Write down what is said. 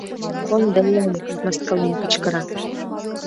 — Конде-эн! — мыскылен кычкыра.